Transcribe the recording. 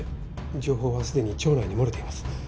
情報はすでに庁内に漏れています。